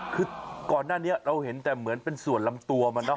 คือก่อนหน้านี้เราเห็นแต่เหมือนเป็นส่วนลำตัวมันเนาะ